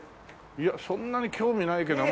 いやそんなに興味ないけど。